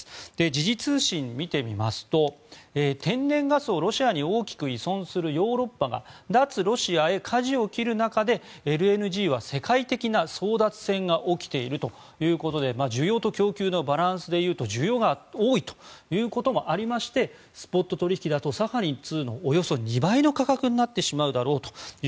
時事通信を見てみますと天然ガスをロシアに大きく依存するヨーロッパが脱ロシアへかじを切る中でＬＮＧは世界的な争奪戦が起きているということで需要と供給のバランスで言うと需要が多いということもありましてスポット取引だとサハリン２のおよそ２倍の価格になってしまうだろうと。